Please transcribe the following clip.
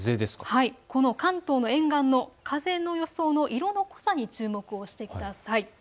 関東の沿岸の風の予想の色の濃さに注目をしてください。